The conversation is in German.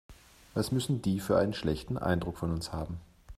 Was müssen die für einen schlechten Eindruck von uns haben.